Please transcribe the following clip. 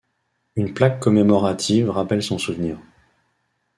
Une plaque commémorative rappelle son souvenir.